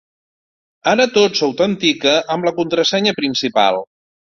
Ara tot s'autentica amb la contrasenya principal.